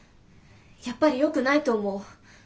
やっぱりよくないと思う。